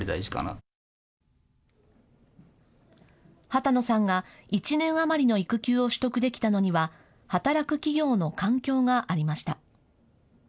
羽田野さんが１年余りの育休を取得できたのには働く企業の環境がありました。